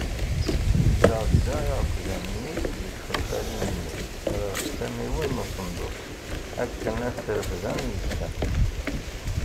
Isɛedda iɛekkzan-nni di txelxalin-nni ɣef tamiwin n usenduq, akken ad t-refden yes-sen.